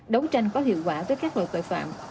đấu tranh có hiệu quả với các loại tội phạm